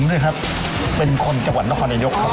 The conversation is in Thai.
ผมเนี่ยครับเป็นคนจังหวัดนครนยกครับผม